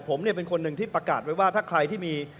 ผมเนี่ยเป็นคนหนึ่งที่ประกาศไว้ว่าถ้าใครที่มี